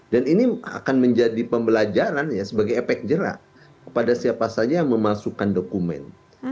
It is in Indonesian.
dan ini akan menjadi pembelajaran sebagai efek jerak pada siapa saja yang memalsukan dokumen